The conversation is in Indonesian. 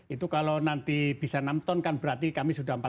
itu kalau nanti bisa enam ton kan berarti kami sudah empat